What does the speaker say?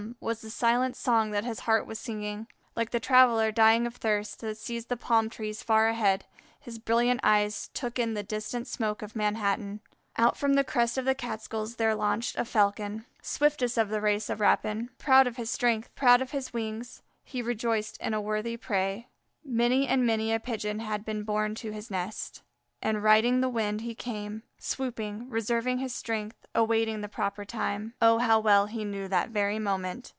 was the silent song that his heart was singing. Like the traveller dying of thirst, that sees the palm trees far ahead, his brilliant eyes took in the distant smoke of Manhattan. Out from the crest of the Catskills there launched a Falcon. Swiftest of the race of rapine, proud of his strength, proud of his wings, he rejoiced in a worthy prey. Many and many a Pigeon had been borne to his nest, and riding the wind he came, swooping, reserving his strength, awaiting the proper time. Oh, how well he knew the very moment!